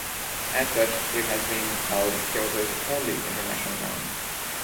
As such, it has been called "Kyoto's only international town".